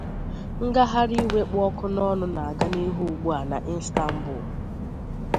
Ngaghari iwe kpu oku n’onu n’aga n’ihu ugbu a n’Istanbul